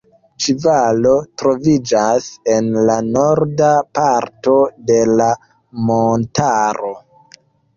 Ĉi valo troviĝas en la norda parto de la montaro.